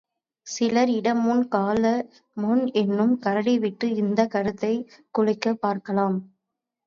சிலர், இடமுன் கால முன் என்னும் கரடி விட்டு இந்தக் கருத்தைக் குலைக்கப் பார்க்கலாம்.